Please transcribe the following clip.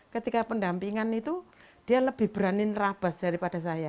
ketika pendampingan itu dia lebih berani nerabas daripada saya